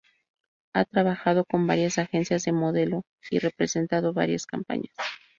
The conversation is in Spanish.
Ha trabajado con varias agencias de modelo y representado varias compañías.